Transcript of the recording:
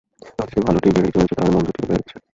জগতে যদি ভালটি বেড়েই চলেছে, তাহলে মন্দটিও বাড়ছে।